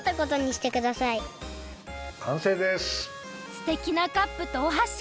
すてきなカップとおはし。